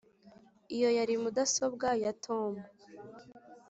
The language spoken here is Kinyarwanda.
iyo yari mudasobwa ya tom